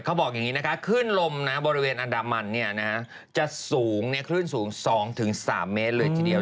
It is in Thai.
เขาบอกอย่างนี้นะคะขึ้นลมบริเวณอันดามันจะสูง๒๓เมตรเลยทีเดียว